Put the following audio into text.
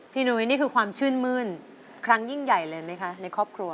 หนุ้ยนี่คือความชื่นมื้นครั้งยิ่งใหญ่เลยไหมคะในครอบครัว